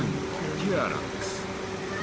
キアランです。